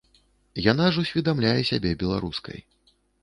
Яна ж усведамляе сябе беларускай.